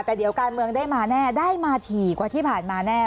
แต่เดี๋ยวการเมืองได้มาแน่ได้มาถี่กว่าที่ผ่านมาแน่